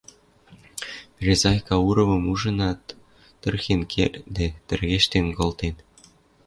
Березай Кауровым ужынат, тырхен кердде, тӹргештен колтен.